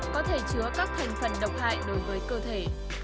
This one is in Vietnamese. có thể chứa các thành phần độc hại đối với cơ thể